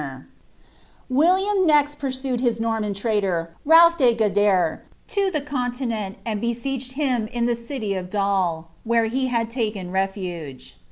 ^^ William next pursued hig Norman irnitnr, Ralph Je Gtiader, to Uie cnntinenl, and besie^ him iu the cily of Dol, where he had taken refiigc.